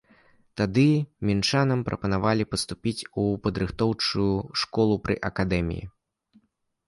Тады мінчанам прапанавалі паступіць у падрыхтоўчую школу пры акадэміі.